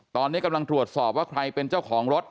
ตอนนี้กำลังตรวจสอบว่าใครเป็นเจ้าของรถ